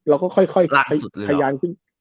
ร่างสุดเลยหรอ